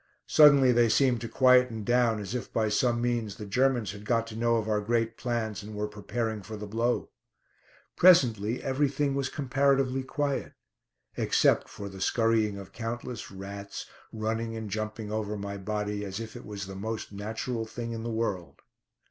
Suddenly they seemed to quieten down, as if by some means the Germans had got to know of our great plans and were preparing for the blow. Presently everything was comparatively quiet, except for the scurrying of countless rats, running and jumping over my body, as if it was the most natural thing in the world.